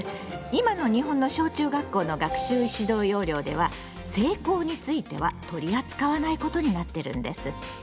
今の日本の小中学校の学習指導要領では性交については取り扱わないことになってるんです。